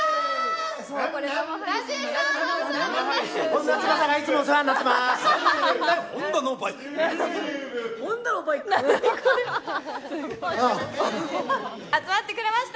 本田がいつもお世話になっています。